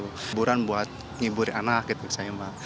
liburan buat ngiburi anak gitu saya emang